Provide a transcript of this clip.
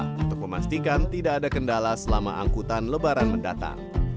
untuk memastikan tidak ada kendala selama angkutan lebaran mendatang